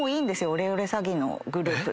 オレオレ詐欺のグループって。